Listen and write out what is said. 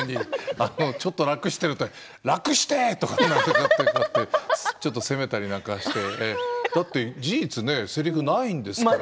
ちょっと楽をしていると楽して！とか言ってちょっと責めたりなんかしてだって事実せりふがないんですから。